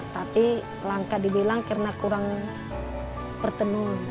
tapi langkah dibilang karena kurang pertenu